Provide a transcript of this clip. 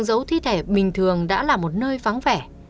giấu thi thể bình thường đã là một nơi vắng vẻ